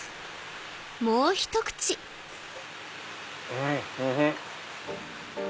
うんおいしい！